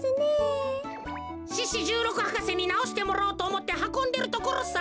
獅子じゅうろく博士になおしてもらおうとおもってはこんでるところさ。